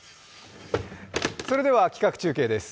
それでは企画中継です。